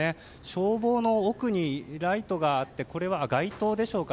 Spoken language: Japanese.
消防の奥にライトがあって街灯でしょうか。